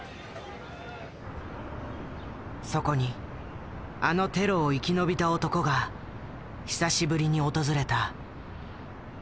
そこにあのテロを生き延びた男が久しぶりに訪れた。